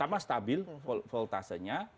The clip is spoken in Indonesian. nah pertama stabil voltasenya